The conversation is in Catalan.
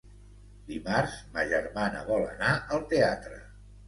Dimarts ma germana vol anar al teatre.